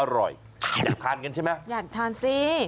อยากทานกันใช่ไหมอยากทานสิ